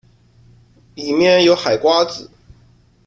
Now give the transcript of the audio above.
里面有海瓜子